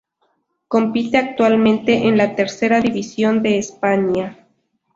Compite actualmente en la Tercera División de España.